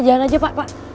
jalan aja pak pak